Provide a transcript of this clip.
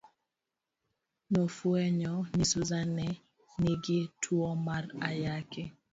Nofwenyo ni Susan ne nigi tuo mar Ayaki.